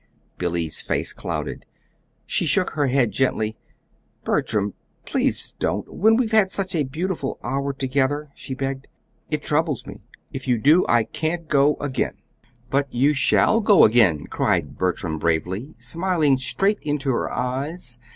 Billy's face clouded. She shook her head gently. "Bertram, please don't when we've had such a beautiful hour together," she begged. "It troubles me. If you do, I can't go again." "But you shall go again," cried Bertram, bravely smiling straight into her eyes.